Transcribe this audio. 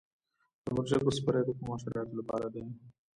د مرچکو سپری د کومو حشراتو لپاره دی؟